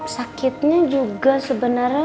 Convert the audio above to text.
sakitnya juga sebenarnya